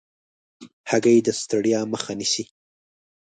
هګۍ د ستړیا مخه نیسي.